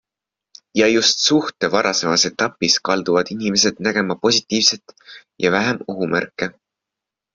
Ja just suhte varasemas etapis kalduvad inimesed nägema positiivset ja vähem ohumärke.